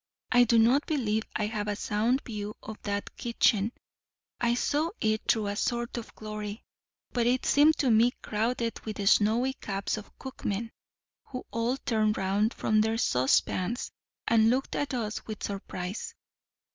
I do not believe I have a sound view of that kitchen; I saw it through a sort of glory: but it seemed to me crowded with the snowy caps of cookmen, who all turned round from their saucepans and looked at us with surprise.